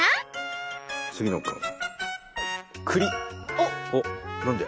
おっ何で？